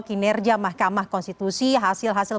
kinerja mahkamah konstitusi hasil hasil